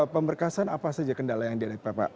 pemberkasan apa saja kendala yang diadakan pak